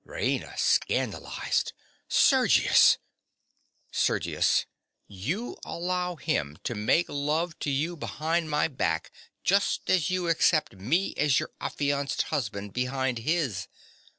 RAINA. (scandalized). Sergius! SERGIUS. You allow him to make love to you behind my back, just as you accept me as your affianced husband behind his.